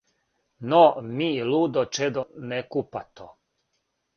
Но ми лудо чедо некупато,